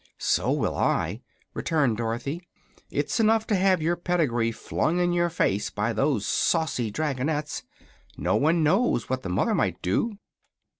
"So will I," returned Dorothy. "It's enough to have your pedigree flung in your face by those saucy dragonettes. No one knows what the mother might do."